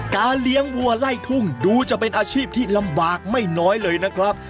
เลี้ยงวัวไล่ทุ่งดูจะเป็นอาชีพที่ลำบากไม่น้อยเลยนะครับ